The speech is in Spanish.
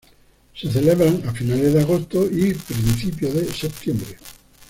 Se celebraban a finales de agosto y principio de septiembre.